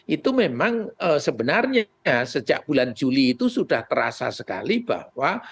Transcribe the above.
itu memang sebenarnya sejak bulan juli itu sudah terasa sekali bahwa